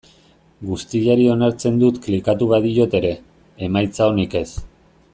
Guztiari onartzen dut klikatu badiot ere, emaitza onik ez.